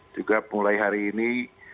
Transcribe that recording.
juga mulai hari ini